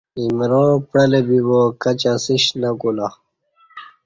ایمرا پعلہ بیبا کچی اسیش نہ کو لہ